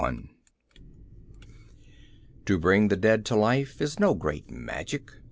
I To bring the dead to life Is no great magic.